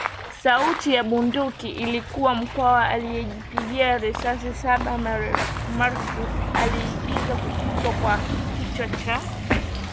sauti ya bunduki ilikuwa Mkwawa aliyejipigia risasisabaMerkl aliagiza kukatwa kwa kichwa cha